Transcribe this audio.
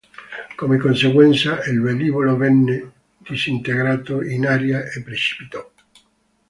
Come conseguenza il velivolo venne disintegrato in aria e precipitò.